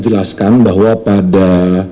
jelaskan bahwa pada